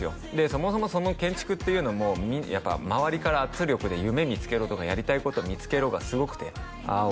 そもそもその建築っていうのもやっぱ周りから圧力で夢見つけろとかやりたいこと見つけろがすごくてあ